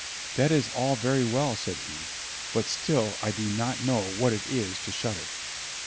"That is all very well," said he, "but still I do not know what it is to shudder!"